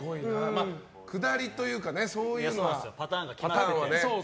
くだりというかそういうパターンはね。